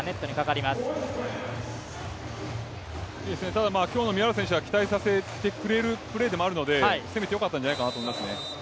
ただ今日の宮浦選手は期待させてくれるプレーでもあるので攻めてよかったんじゃないかなと思いますね。